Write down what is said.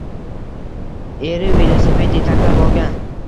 Eri velosiped yetaklab olgan